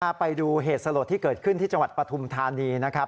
ไปดูเหตุสลดที่เกิดขึ้นที่จังหวัดปฐุมธานีนะครับ